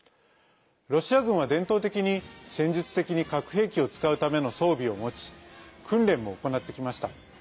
ロシア軍は伝統的に、戦術的に核兵器を使うための装備を持ち訓練も行ってきました。